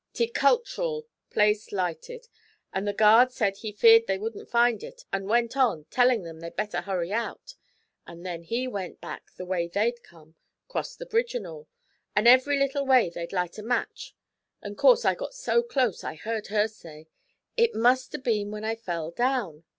' 'Tyculchural place lighted; an' the guard said he feared they wouldn't find it, an' went on, tellin' them they'd better hurry out; an' then he went back the way they'd come, crost the bridge an' all, an' every little way they'd light a match, an' course I got so close I heard her say, "It must 'a' been when I fell down."